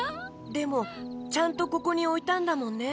でもちゃんとここにおいたんだもんね。